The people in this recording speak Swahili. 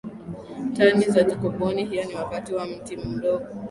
Tani za kaboni hiyo ni kati ya na miti ndogo